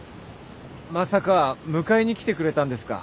まさか迎えに来てくれたんですか？